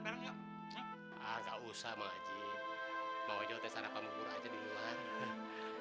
hai nggak usah maji mau jauh jauh sarapan minggu aja di luar